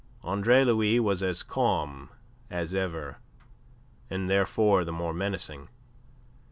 Andre Louis was as calm as ever, and therefore the more menacing.